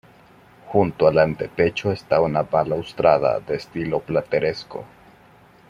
Junto al antepecho está una balaustrada de estilo plateresco.